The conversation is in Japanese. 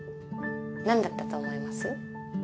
何だったと思います？